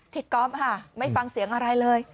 ทิตคอล์ฟค่ะไม่ฟังเสียงอะไรเลย